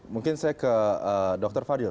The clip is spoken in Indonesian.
mungkin saya ke dr fadil